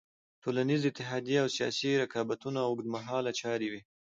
ټولنیزې اتحادیې او سیاسي رقابتونه اوږد مهاله چارې وې.